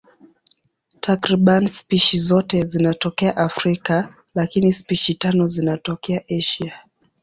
Takriban spishi zote zinatokea Afrika, lakini spishi tano zinatokea Asia.